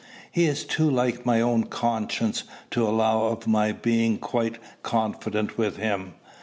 He is too like my own conscience to allow of my being quite confident with him.